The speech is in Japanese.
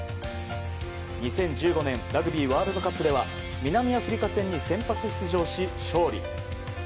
２０１５年ラグビーワールドカップでは南アフリカ戦に先発出場し勝利。